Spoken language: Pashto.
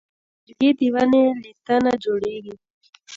لرګی د ونې له تنه جوړېږي.